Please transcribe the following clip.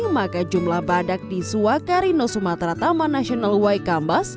maka jumlah badak di suakarino sumatera taman nasional waikambas